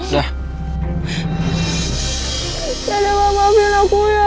jangan maafin aku ya